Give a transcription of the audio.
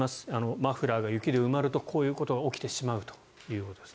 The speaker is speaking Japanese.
マフラーが雪で埋まるとこういうことが起きてしまうということです。